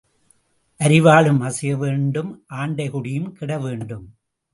அரிவாளும் அசைய வேண்டும் ஆண்டை குடியும் கெடவேண்டும்.